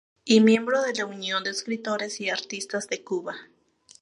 Y miembro de la Unión de Escritores y Artistas de Cuba.